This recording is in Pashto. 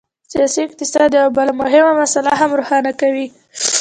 سیاسي اقتصاد یوه بله مهمه مسله هم روښانه کوي.